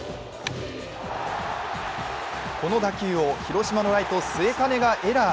この打球を広島のライト・末包がエラー。